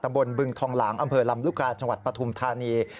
บนบึงทองหลางอำเภอลำลูกกาจังหวัดปฐุมธานี